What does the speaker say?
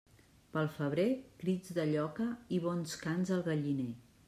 Pel febrer, crits de lloca i bons cants al galliner.